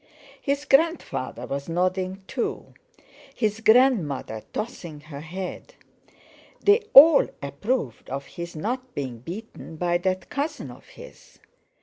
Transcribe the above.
His grandfather was nodding too, his grandmother tossing her head. They all approved of his not being beaten by that cousin of his.